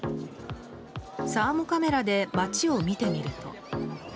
サーモカメラで街を見てみると。